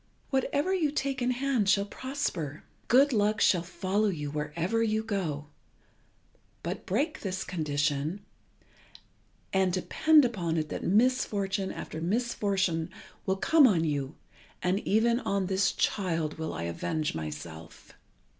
Whatever you take in hand shall prosper. Good luck shall follow you wherever you go; but break this condition, and depend upon it that misfortune after misfortune will come on you, and even on this child will I avenge myself.